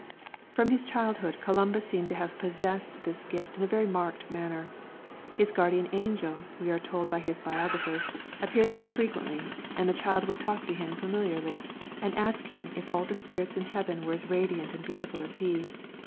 From his childhood Columba seems to have possessed this gift in a very marked manner. His guardian angel, we are told by his biographers, appeared to him frequently, and the child would talk to him familiarly, and ask him if all the spirits in heaven were as radiant and beautiful as he.